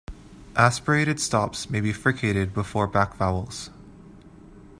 Aspirated stops may be fricated before back vowels.